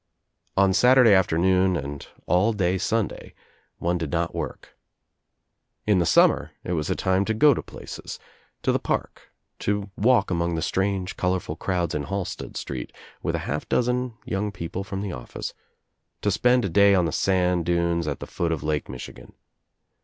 On Saturday afternoon and all day Sunday one did not work. In the summer it was a time to go to places — to the park, to walk among the strange colorful crowds in Ilalsted Street, with a half dozen young people from the office, to spend a day on the sand dunes at the foot of Lake Michigan.